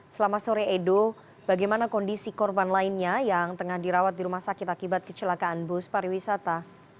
selama sore edo bagaimana kondisi korban lainnya yang tengah dirawat di rumah sakit akibat kecelakaan bus pariwisata